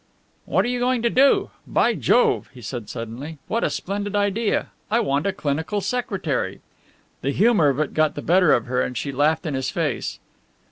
"What are you going to do? By Jove!" he said suddenly, "what a splendid idea! I want a clinical secretary." The humour of it got the better of her, and she laughed in his face.